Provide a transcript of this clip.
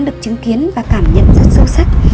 được chứng kiến và cảm nhận rất sâu sắc